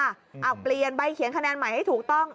เอาเปลี่ยนใบเขียนคะแนนใหม่ให้ถูกต้อง